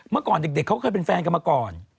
เมื่อก่อนเด็กเขาเคยเป็นแฟนกันมาก่อน